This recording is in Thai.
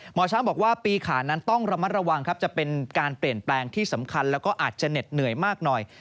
หมอช้างบอกว่าปีขานั้นต้องระมัดระวังครับจะเป็นการเปลี่ยนแปลงที่สำคัญแล้วก็อาจจะเหน็ดเหนื่อยมากหน่อย